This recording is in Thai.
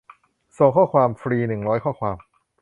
ส่งข้อความฟรี หนึ่งร้อยข้อความ